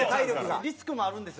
田村：リスクもあるんです。